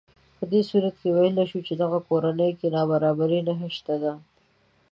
په دې صورت کې ویلی شو چې دغه کورنۍ کې نابرابري نهشته